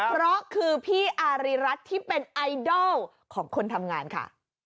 เพราะคือพี่อารีรัฐที่เป็นไอดอลของคนทำงานค่ะ